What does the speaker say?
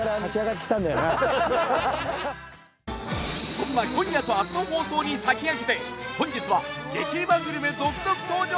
そんな今夜と明日の放送に先駆けて本日は激うまグルメ、続々登場！